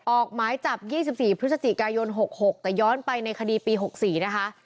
ออกหมายจับ๒๔พฤศจิกายน๖๖แต่ย้อนไปในคดีปี๖๔นะคะ